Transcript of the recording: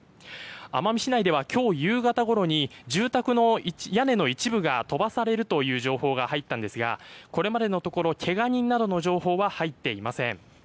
奄美市内では今日夕方ごろに住宅の屋根の一部が飛ばされるという情報が入ったんですがこれまでのところけが人などの情報は入っていません。